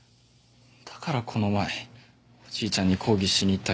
だからこの前おじいちゃんに抗議しに行ったけど。